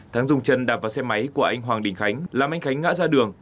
thắng dùng chân đạp vào xe máy của anh hoàng đình khánh làm anh khánh ngã ra đường